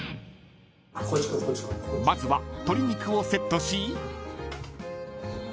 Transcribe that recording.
［まずは鶏肉をセットし］